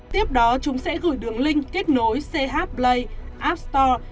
tiếp đó chúng sẽ gửi đường link kết nối ch play app store